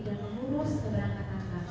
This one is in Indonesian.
dan mengurus pemberangkatan kami